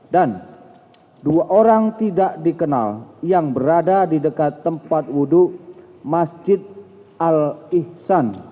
dan dua orang tidak dikenal yang berada di dekat tempat wudhu masjid al ihsan